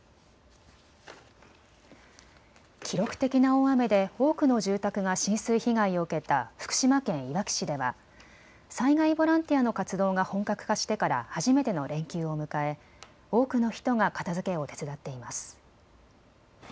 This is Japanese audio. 記録的な大雨で多くの住宅が浸水被害を受けた福島県いわき市では災害ボランティアの活動が本格化してから初めての連休を迎え多くの人が片づけを手伝っています。